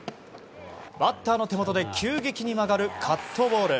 バッターの手元で急激に曲がるカットボール。